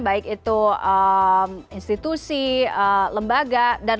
baik itu pekerjaan